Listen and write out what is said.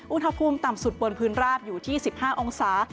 อุณหภูมิต่ำสุดบนพื้นราบอยู่ที่๑๕องศา